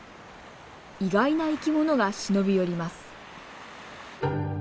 意外な生き物が忍び寄ります。